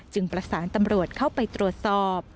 ประสานตำรวจเข้าไปตรวจสอบ